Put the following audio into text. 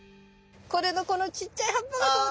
これのこのちっちゃい葉っぱがそうだ。